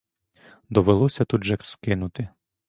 Довелося тут же скинути.